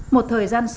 một thời gian sau